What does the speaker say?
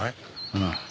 うん。